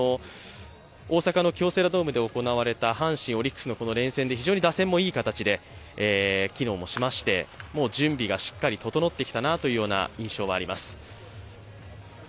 大阪の京セラドームで行われた阪神、オリックスの連戦で非常に打線もいい形で、機能もしまして準備がしっかり整ってきたなという印象はあります。